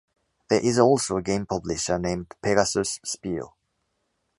There is also a game publisher named Pegasus Spiele.